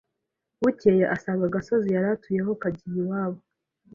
Bukeye asanga agasozi yari atuyeho kagiye iwabo